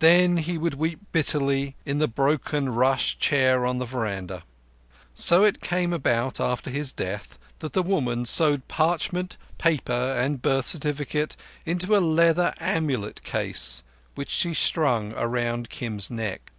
Then he would weep bitterly in the broken rush chair on the veranda. So it came about after his death that the woman sewed parchment, paper, and birth certificate into a leather amulet case which she strung round Kim's neck.